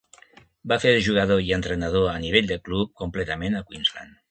Va fer de jugador i entrenador a nivell de club completament a Queensland.